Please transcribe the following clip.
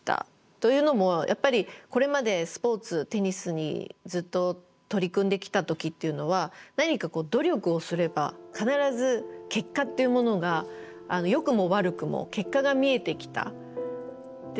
というのもこれまでスポーツテニスにずっと取り組んできた時っていうのは何か努力をすれば必ず結果っていうものがよくも悪くも結果が見えてきた。